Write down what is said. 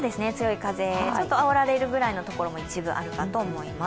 ちょっとあおられるぐらいのところも一部あるかと思います。